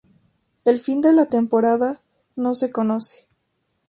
El Fin de la Temporada no se conoce.